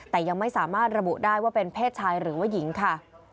แต่ยังไม่สามารถระบุได้ว่าเป็นเพศชายหรือว่าหญิงค่ะ